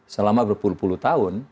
selama berpuluh puluh tahun